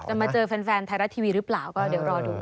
มาเจอแฟนไทยรัฐทีวีหรือเปล่าก็เดี๋ยวรอดู